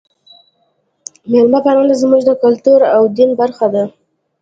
میلمه پالنه زموږ د کلتور او دین برخه ده.